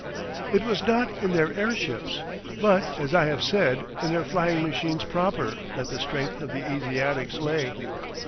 It was not in their airships, but, as I have said, in their flying machines proper, that the strength of the Asiatics lay.